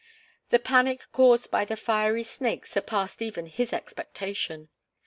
The panic caused by the "fiery snakes" surpassed even his expectation.